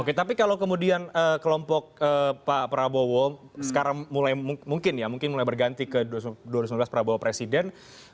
oke tapi kalau kemudian kelompok pak prabowo sekarang mulai mungkin ya mungkin mulai berganti ke dua ribu sembilan belas prabowo presiden